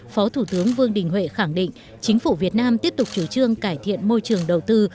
phó thủ tướng vương đình huệ khẳng định chính phủ việt nam tiếp tục chủ trương cải thiện môi trường đầu tư